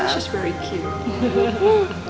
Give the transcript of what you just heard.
dia sangat kacak